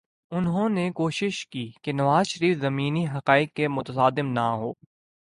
انہوں نے کوشش کی کہ نواز شریف زمینی حقائق سے متصادم نہ ہوں۔